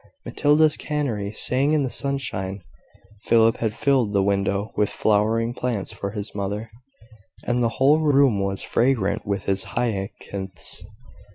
Matilda's canary sang in the sunshine; Philip had filled the window with flowering plants for his mother, and the whole room was fragrant with his hyacinths.